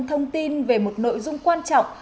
thông tin về một nội dung quan trọng